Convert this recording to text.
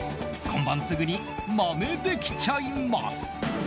今晩すぐにまねできちゃいます。